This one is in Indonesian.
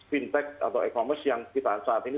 fintech atau e commerce yang kita saat ini